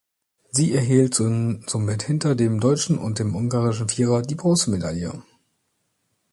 Sie erhielten somit hinter dem deutschen und dem ungarischen Vierer die Bronzemedaille.